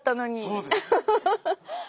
そうです。